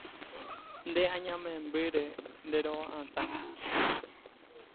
¡Ne añamembyre, nderova'atã!